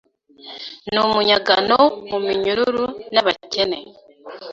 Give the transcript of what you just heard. Numunyagano muminyururu nabakene